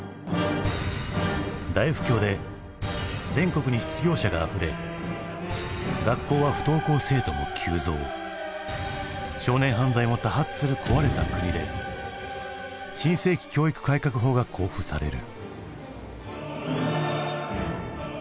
大不況で全国に失業者があふれ学校は不登校生徒も急増少年犯罪も多発する壊れた国で新世紀教育改革法が公布される。